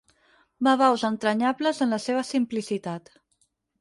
Babaus entranyables en la seva simplicitat.